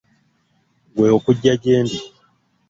Gwe okugya gyendi.